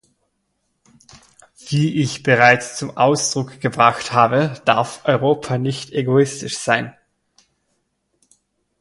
Wie ich bereits zum Ausdruck gebracht habe, darf Europa nicht egoistisch sein.